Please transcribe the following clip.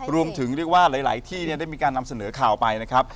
รวมถึงเรียกว่าหลายที่เนี่ยได้มีการนำเสนอข่าวไปนะครับ